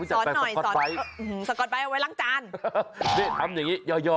สอนหน่อยสอนสก๊อตไบท์เอาไว้ล้างจานนี่ทำอย่างงี้ยย่อย่อ